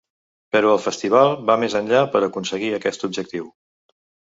Però el festival va més enllà per aconseguir aquest objectiu.